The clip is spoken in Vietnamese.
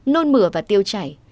nôn mửa và tiêu chảy